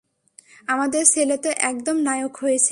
আমাদের ছেলে তো একদম নায়ক হয়েছে।